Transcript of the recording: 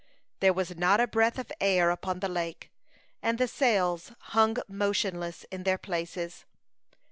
There was not a breath of air upon the lake, and the sails hung motionless in their places.